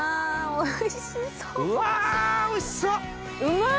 おいしそっ。